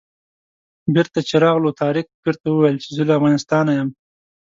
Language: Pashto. بېرته چې راغلو طارق پیر ته وویل چې زه له افغانستانه یم.